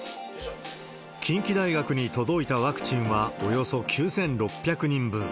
近畿大学に届いたワクチンはおよそ９６００人分。